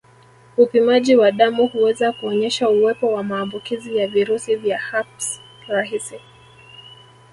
Upimaji wa damu huweza kuonyesha uwepo wa maambukizi ya virusi vya herpes rahisi